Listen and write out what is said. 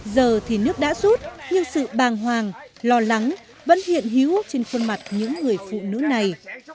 giờ thì nước đã rút nhưng sự bàng hoàng lo lắng vẫn hiện hữu trên khuôn mặt những người phụ nữ này